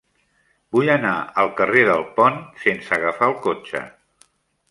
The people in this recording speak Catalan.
Vull anar al carrer del Pont sense agafar el cotxe.